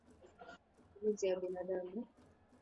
kwa matumizi ya binadamu